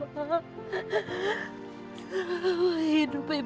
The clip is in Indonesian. aku ingin dan bisa